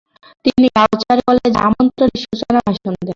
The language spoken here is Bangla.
তিনি গাউচার কলেজের আমন্ত্রণে সূচনা ভাষণ দেন।